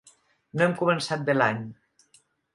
No hem començat bé l’any.